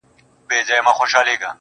تا څنگه زه ما څنگه ته له ياده وايستلې؟